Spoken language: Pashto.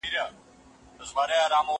بل ملګری هم په لار کي ورپیدا سو